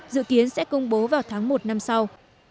dự kiến sẽ công bố vào tháng một năm sau